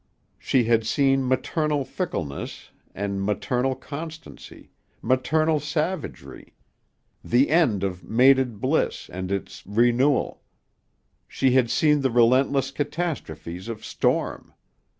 She had seen maternal fickleness and maternal constancy, maternal savagery; the end of mated bliss and its renewal. She had seen the relentless catastrophes of storm.